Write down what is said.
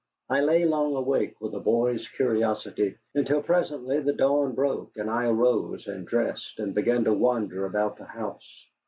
I lay long awake, with a boy's curiosity, until presently the dawn broke, and I arose and dressed, and began to wander about the house.